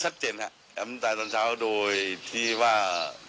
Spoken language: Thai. ชัดเจนฮะแอมตายตอนเช้าโดยที่ว่า